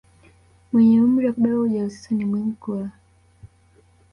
mwenye umri wa kubeba ujauzito ni muhimu kula